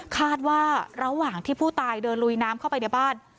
คาดว่าระหว่างที่ผู้ตายเดินลุยน้ำเข้าไปในบ้าน